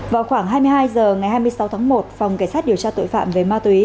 vào khoảng hai mươi hai h ngày hai mươi sáu tháng một phòng cảnh sát điều tra tội phạm về ma túy